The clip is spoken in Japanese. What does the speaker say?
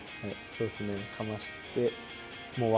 そうっすね。